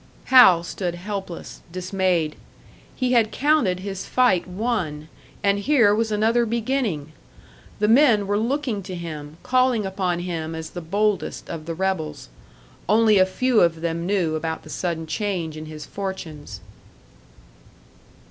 Hal stood helpless, dismayed. He had counted his fight won and here was another beginning! The men were looking to him, calling upon him as the boldest of the rebels. Only a few of them knew about the sudden change in his fortunes.